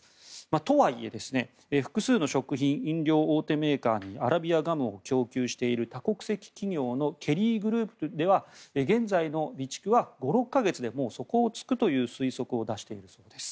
とはいえ、複数の食品飲料大手メーカーにアラビアガムを供給している多国籍企業のケリー・グループでは現在の備蓄は５６か月でもう底を突くという推測を出しているそうです。